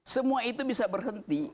semua itu bisa berhenti